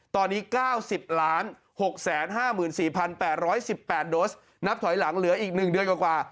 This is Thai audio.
ตอนนี้๙๐๖๕๔๘๑๘โดสนับถอยหลังเหลืออีก๑เดือนกว่า